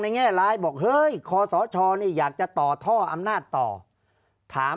แง่ร้ายบอกเฮ้ยคอสชนี่อยากจะต่อท่ออำนาจต่อถาม